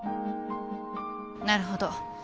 なるほど。